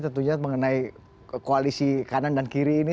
tentunya mengenai koalisi kanan dan kiri ini